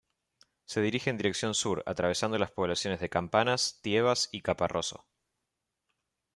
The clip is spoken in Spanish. Se dirige en dirección sur atravesando las poblaciones de Campanas, Tiebas,y Caparroso.